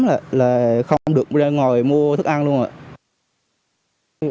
là không được ra ngồi mua thức ăn luôn